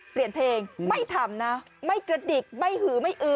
เปลี่ยนเพลงไม่ทำนะไม่กระดิกไม่หือไม่อือ